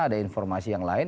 ada informasi yang lain